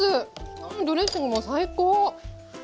うんドレッシングも最高！